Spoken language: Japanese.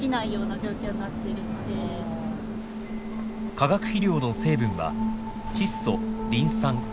化学肥料の成分は窒素リン酸カリウム。